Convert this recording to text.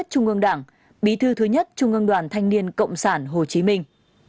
ba mươi tám đồng chí trung ương đảng bí thư thứ nhất trung ương đoàn thanh niên cộng sản hồ chí minh